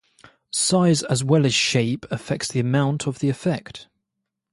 Size as well as shape affects the amount of the effect.